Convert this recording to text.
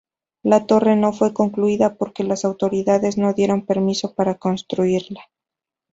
La torre no fue concluida porque las autoridades no dieron permiso para construirla.